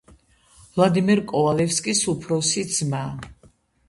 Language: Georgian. ვლადიმერ კოვალევსკის უფროსი ძმა.